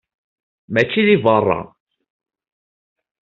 Mačči di berra.